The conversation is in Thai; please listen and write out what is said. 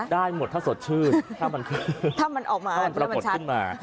ได้หมดถ้าสดชื่นถ้ามันปรากฏขึ้นมา